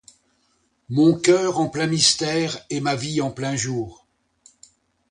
Mon coeur en plein mystère et ma vie en plein jour